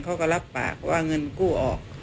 เขาก็รับปากว่าเงินกู้ออก